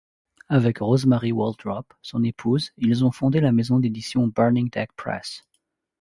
Avec Rosemarie Waldrop, son épouse, ils ont fondé la maison d'édition Burning Deck Press.